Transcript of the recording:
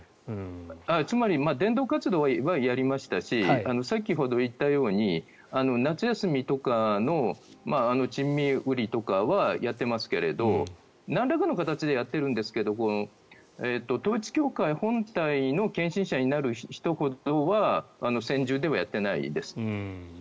つまり、伝道活動はやりましたし先ほど言ったように夏休みとかの珍味売りとかはやっていますけれどなんらかの形ではやっているんですが統一教会本体の献身者になる人ほどは専従ではやっていないです。